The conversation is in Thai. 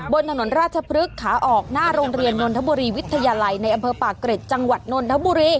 บนถนนราชพฤกษาออกหน้าโรงเรียนนนทบุรีวิทยาลัยในอำเภอปากเกร็ดจังหวัดนนทบุรี